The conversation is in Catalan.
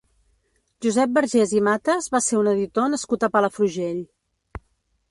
Josep Vergés i Matas va ser un editor nascut a Palafrugell.